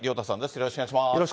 よろしくお願いします。